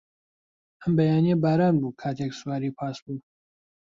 ئەم بەیانییە باران بوو کاتێک سواری پاس بووم.